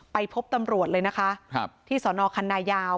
ไปพบตำรวจเลยนะคะครับที่สอนอคันนายาว